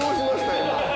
今。